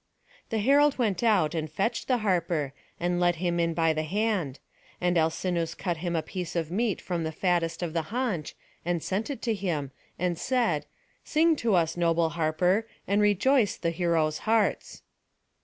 The herald went out, and fetched the harper, and led him in by the hand; and Alcinous cut him a piece of meat from the fattest of the haunch, and sent it to him, and said: "Sing to us, noble harper, and rejoice the heroes' hearts."